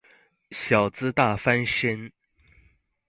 小資大翻身